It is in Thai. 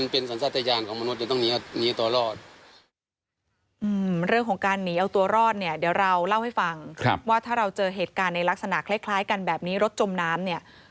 เรื่องของการหนีเอาตัวรอดเนี่ยเดี๋ยวเราเล่าให้ฟังว่าถ้าเราเจอเหตุการณ์ในลักษณะคล้ายกันแบบนี้รถจมน้ำเนี่ย